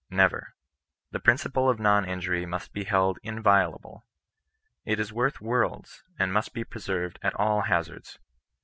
Never, The principle of non injury must be held inviolable. It is worth worlds, and must be preserved at all hazards.